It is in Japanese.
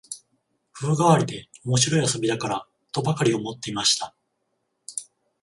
風変わりで面白い遊びだから、とばかり思っていました